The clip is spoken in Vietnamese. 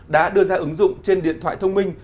đã đưa ra ứng dụng trên điện thoại thông minh